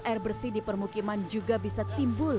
air bersih di permukiman juga bisa timbul